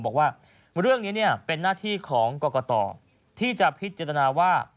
บอกว่าเรื่องนี้เป็นหน้าที่ของกรกตที่จะพิจารณาว่า